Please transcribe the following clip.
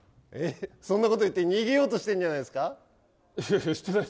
そんなこと言って逃げようとしてるんじゃしてないですよ！